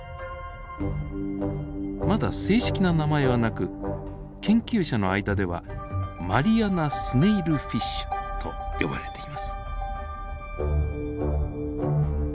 まだ正式な名前はなく研究者の間ではマリアナスネイルフィッシュと呼ばれています。